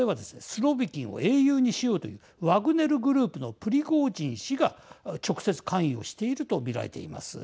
スロビキンを英雄にしようというワグネルグループのプリゴージン氏が直接関与していると見られています。